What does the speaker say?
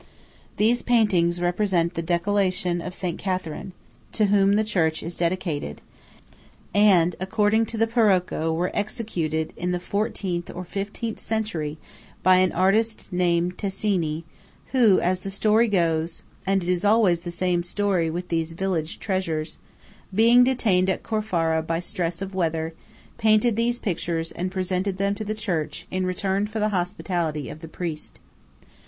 These paintings represent the decollation of Saint Catherine, to whom the church is dedicated; and; according to the Parocco, were executed in the XIV. or XV. Century by an Italian artist named Ticini, who, as the story goes (and it is always the same story with these village treasures) being detained at Corfara by stress of weather, painted these pictures and presented them to the church, in return for the hospitality of the priest.